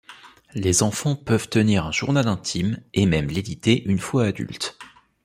Les enfants peuvent tenir un journal intime, et même l'éditer une fois adulte.